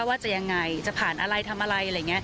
ว่าจะยังไงจะผ่านอะไรทำอะไรอะไรอย่างนี้